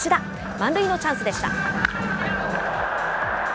満塁のチャンスでした。